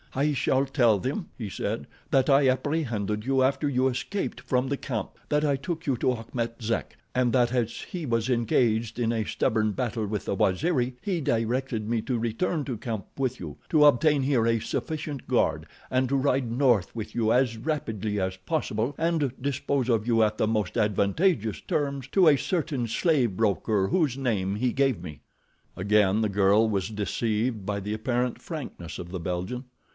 "I shall tell them," he said, "that I apprehended you after you escaped from the camp, that I took you to Achmet Zek, and that as he was engaged in a stubborn battle with the Waziri, he directed me to return to camp with you, to obtain here a sufficient guard, and to ride north with you as rapidly as possible and dispose of you at the most advantageous terms to a certain slave broker whose name he gave me." Again the girl was deceived by the apparent frankness of the Belgian.